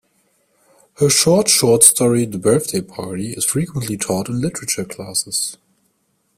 Her short short story "The Birthday Party" is frequently taught in literature classes.